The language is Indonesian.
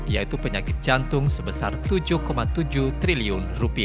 yaitu penyakit jantung sebesar rp tujuh tujuh triliun